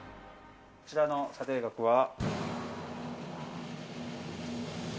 こちらの査定額は。